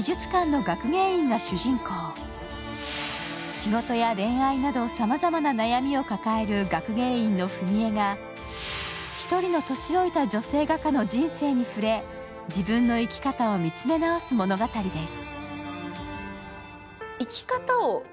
仕事や恋愛などさまざまな悩みを抱える学芸員の史絵が１人の年老いた女性画家の人生に触れ、自分の人生を見つめ直す物語です。